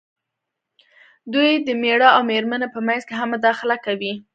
دوی د مېړۀ او مېرمنې په منځ کې هم مداخله کوي.